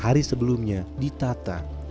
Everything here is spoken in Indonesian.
hari sebelumnya ditata